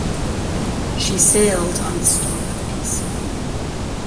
She sailed on the "Star of Peace".